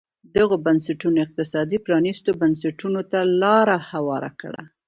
دغو بنسټونو اقتصادي پرانیستو بنسټونو ته لار هواره کړه.